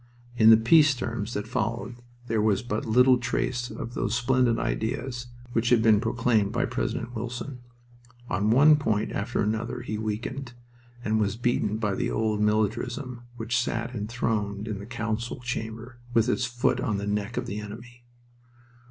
In the peace terms that followed there was but little trace of those splendid ideas which had been proclaimed by President Wilson. On one point after another he weakened, and was beaten by the old militarism which sat enthroned in the council chamber, with its foot on the neck of the enemy.